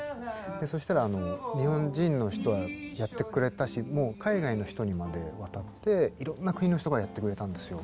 そしたら日本人の人はやってくれたしもう海外の人にまで渡っていろんな国の人がやってくれたんですよ。